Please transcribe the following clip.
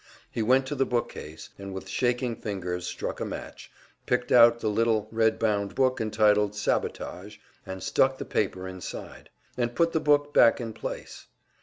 He went to the bookcase and with shaking fingers struck a match, picked out the little redbound book entitled "Sabotage," and stuck the paper inside, and put the book back in place.